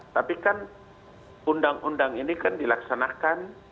tapi kan undang undang ini kan dilaksanakan